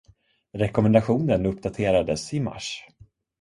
Rekommendationen uppdaterades i mars.